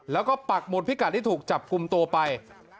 แล้วก็ปักหมดพิกัดที่ถูกจับกลุ่มตัวไป